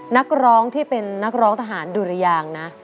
นักร้องที่เป็นนักร้องทหารดุรยางนะ